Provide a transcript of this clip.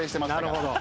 なるほど。